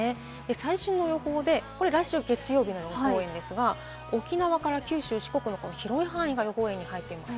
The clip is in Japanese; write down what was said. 最新の予報で来週月曜日の予報円ですが、沖縄から九州、四国、広い範囲が予報円に入っています。